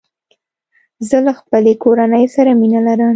زه له خپلي کورنۍ سره مينه لرم